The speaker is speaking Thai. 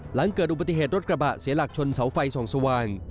หลังเกิดอุบัติเหตุรถกระบะเสียหลักชนเสาไฟส่องสว่าง